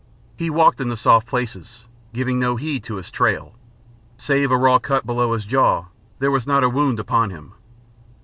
He walked in the soft places, giving no heed to his trail. Save a raw cut below his jaw there was not a wound upon him.